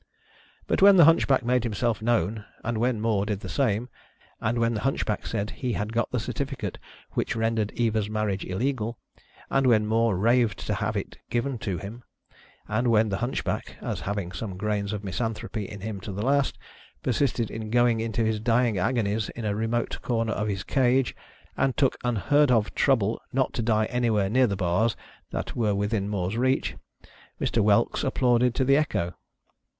But when the Hunchback made himself known and when More did the same ; and when the Hunchback said he had got the certificate which rendered Eva's marriage illegal; and when More raved to have it given to him, and when the Hunchback (as having some grains of misanthropy in him to the last) persisted in going into his dying agonies in a remote corner of his cage, and took unheard of trouble not to die anywhere near the bars that were within More's reach, Mr. Whelks applauded to the echo.